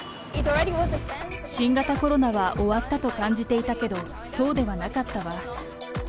新型コロナは終わったと感じていたけど、そうではなかったわ。